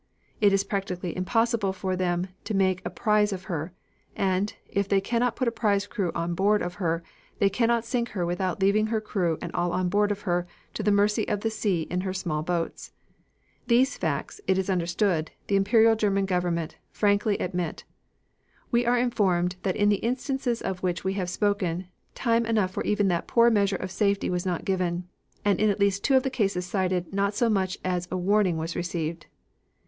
It is practically impossible for them to make a prize of her; and, if they cannot put a prize crew on board of her, they cannot sink her without leaving her crew and all on board of her to the mercy of the sea in her small boats. These facts, it is understood, the Imperial German Government frankly admit. We are informed that in the instances of which we have spoken time enough for even that poor measure of safety was not given, and in at least two of the cases cited not so much as a warning was received.